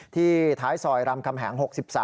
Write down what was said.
ที่ท้ายซอยรำคำแหง๖๓